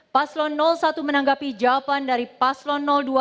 paslon satu menanggapi jawaban dari paslon dua